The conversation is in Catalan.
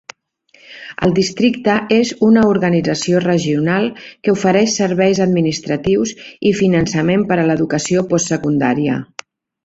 El districte és una organització regional que ofereix serveis administratius i finançament per a l'educació postsecundària.